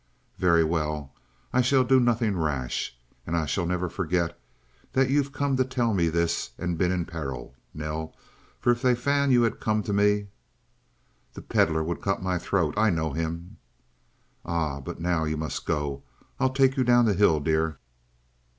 "Very well. I shall do nothing rash. And I shall never forget that you've come to tell me this and been in peril, Nell, for if they found you had come to me " "The Pedlar would cut my throat. I know him!" "Ah! But now you must go. I'll take you down the hill, dear."